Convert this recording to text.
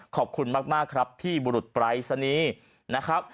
ขอบคุณมากครับพี่บุรุษปรายศนีย์นะครับ